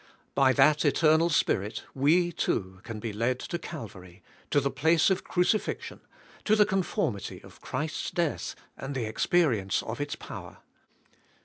By that eternal Spirit we too, can be led to Cal vary, to the place of crucifixion, to the conformity of Christ's death and the experience of its power.